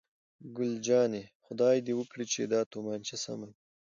ګل جانې: خدای دې وکړي چې دا تومانچه سمه وي.